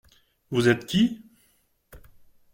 Vous êtes qui ?